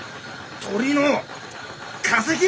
鳥の化石？